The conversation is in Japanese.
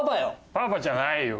パパじゃないよ。